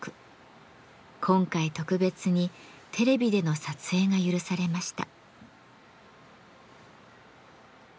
今回特別にテレビでの撮影が許されました。